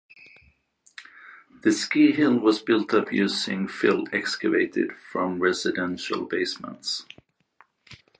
The ski hill was built up using fill excavated from residential basements.